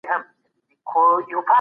ویښتان مو پاک وساتئ.